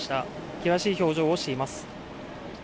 険しい表情をしています。